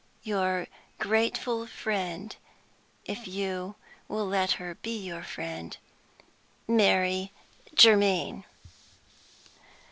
Your grateful friend (if you will let her be your friend), "MARY GERMAINE."